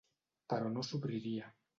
Però no s'obriria.